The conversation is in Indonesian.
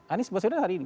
anies baswedan hari ini